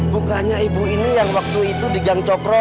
bukannya ibu ini yang waktu itu di gang cokro